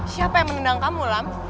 siapa yang menendang kamu lam